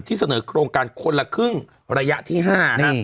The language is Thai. ที่เสนอโครงการคนละครึ่งระยะที่๕นะ